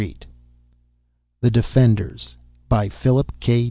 net The Defenders By PHILIP K.